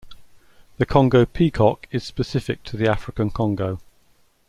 The Congo peacock is specific to the African Congo.